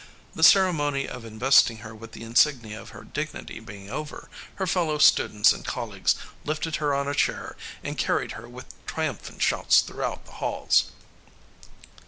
The ceremony of investing her with the insignia of her dignity being over, her fellow students and colleagues lifted her on a chair and carried her with triumphant shouts throughout the halls.